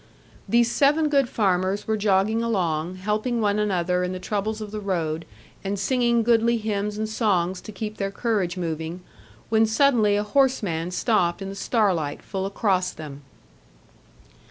These seven good farmers were jogging along, helping one another in the troubles of the road, and singing goodly hymns and songs to keep their courage moving, when suddenly a horseman stopped in the starlight full across them.